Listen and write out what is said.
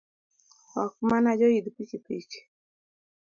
Ok mana joidh pikipiki